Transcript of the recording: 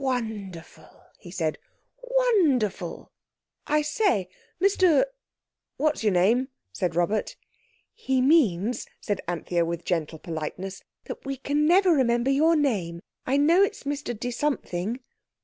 "Wonderful!" he said, "wonderful!" "I say, Mr—what's your name," said Robert. "He means," said Anthea, with gentle politeness, "that we never can remember your name. I know it's Mr De Something."